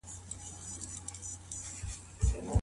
جلبۍ تریخ خوند نه لري.